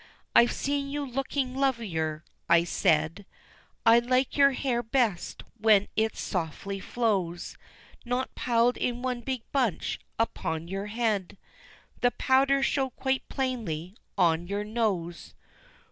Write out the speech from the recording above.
"I've seen you looking lovelier," I said, "I like your hair best when it softly flows, Not piled in one big bunch upon your head The powder showed quite plainly on your nose."